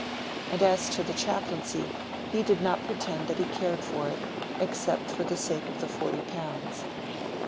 And as to the chaplaincy, he did not pretend that he cared for it, except for the sake of the forty pounds.